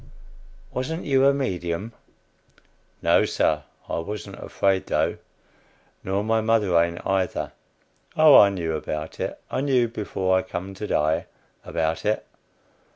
[Wasn't you a medium?] No, Sir; I wasn't afraid, though; nor my mother ain't, either. Oh, I knew about it; I knew before I come to die, about it.